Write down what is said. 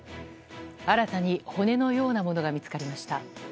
新たに骨のようなものが見つかりました。